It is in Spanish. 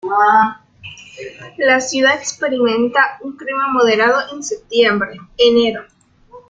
La ciudad experimenta un clima moderado en septiembre-enero.